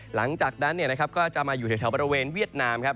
หลังจากนั้นก็จะมาอยู่แถวบริเวณเวียดนามครับ